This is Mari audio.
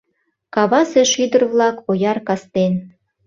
Кавасе шӱдыр-влак ояр кастен.